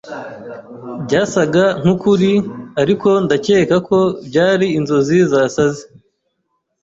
Byasaga nkukuri, ariko ndakeka ko byari inzozi zasaze.